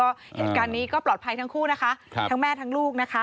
เหตุการณ์นี้ก็ปลอดภัยทั้งคู่นะคะทั้งแม่ทั้งลูกนะคะ